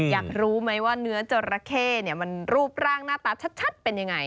อยากรู้ไหมว่าเนื้อจราเข้มันรูปร่างหน้าตาชัดเป็นยังไง